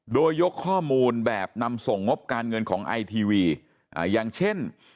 โดยยกข้อมูลแบบนำส่งงบการเงินของไอทีวีอย่างเช่น